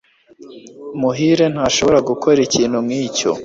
muhire ntashobora gukora ikintu nkicyo